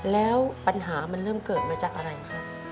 แล้วปัญหามันเริ่มเกิดมาจากอะไรครับ